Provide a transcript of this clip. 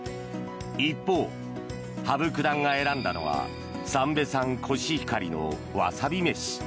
一方、羽生九段が選んだのは三瓶産コシヒカリのわさび飯。